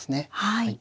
はい。